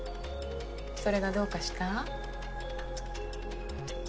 それがどうかした？